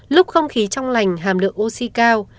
lúc không khí trong lành hàm lượng oxy cao